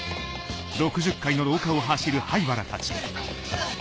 あっ！